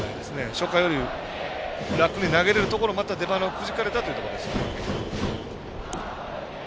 初回より楽に投げれるところをまた出ばなをくじかれたというところですよね。